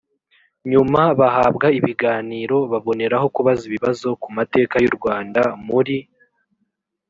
nyuma bahabwa ibiganiro baboneraho kubaza ibibazo ku mateka y u rwanda muri